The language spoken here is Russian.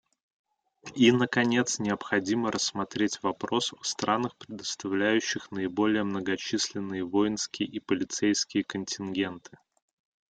И, наконец, необходимо рассмотреть вопрос о странах, предоставляющих наиболее многочисленные воинские и полицейские контингенты.